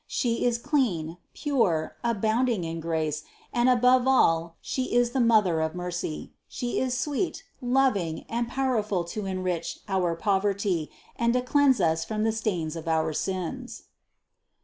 She is clean, pure, abounding in grace, and above all She is the Mother of mercy ; She is sweet, lov ing and powerful to enrich our poverty and to cleanse us from the stains of all our sins.